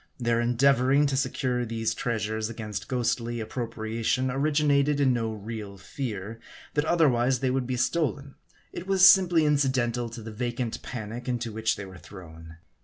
Their en deavoring to secure these treasures against ghostly appro priation originated in no real fear, that otherwise they would be stolen : it was simply incidental to the vacant panic into which they were thrown.